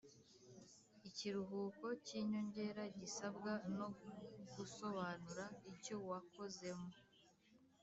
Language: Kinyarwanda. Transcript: Ikiruhuko cy ‘inyongera gisabwa no gusobanura icyowakozemo